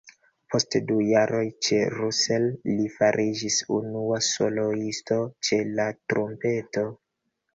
Post du jaroj ĉe Russell li fariĝis unua soloisto ĉe la trumpeto.